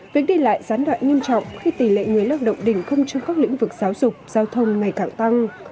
việc đi lại gián đoạn nghiêm trọng khi tỷ lệ người lao động đình không trong các lĩnh vực giáo dục giao thông ngày càng tăng